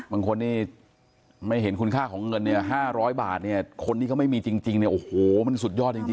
บางคนที่ไม่เห็นคุณค่าของเงิน๕๐๐บาทคนที่ก็ไม่มีจริงโอ้โฮมันสุดยอดจริงค่ะ